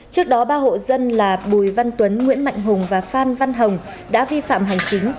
trước đó ba hộ dân là bùi văn tuấn nguyễn mạnh hùng và phan văn hồng đã vi phạm hành chính